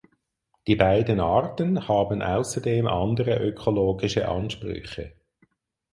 Die beiden Arten haben außerdem andere ökologische Ansprüche.